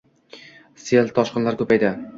sel toshqinlari ko'paydi